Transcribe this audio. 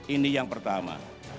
ini yang pertama